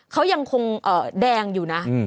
เขายังคงแดงอยู่นะ